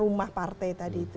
rumah partai tadi itu